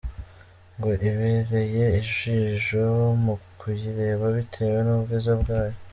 Ngo ibereye ijijo mu kuyireba bitewe n’ubwiza bwayo.